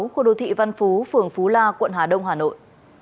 khu đô thị văn phú phường phú la quận hà đông hà nội